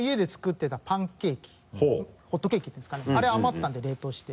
ホットケーキですかねあれ余ったんで冷凍して。